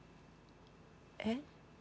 えっ？